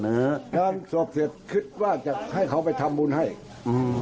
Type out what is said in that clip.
นะฮะการสอบเสร็จคิดว่าจะให้เขาไปทำบุญให้อืม